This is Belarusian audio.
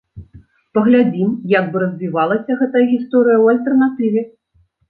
Паглядзім, як бы развівалася гэтая гісторыя ў альтэрнатыве.